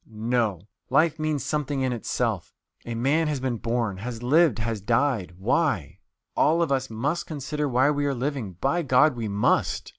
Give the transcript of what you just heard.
No; life means something in itself. ... A man has been born, has lived, has died why? All of us must consider why we are living, by God, we must!